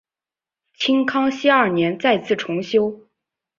清康熙二年再次重修。